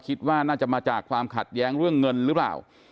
คิดว่าน่าจะมาจากความขัดแย้งเรื่องเงินหรือเปล่า